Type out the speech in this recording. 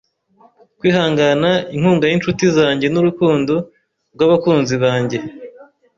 kwihangana, inkunga yinshuti zanjye nurukundo rwabakunzi bange